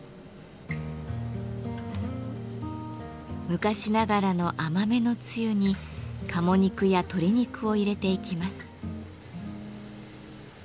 昔ながらの甘めのつゆに鴨肉や鶏肉を入れていきます。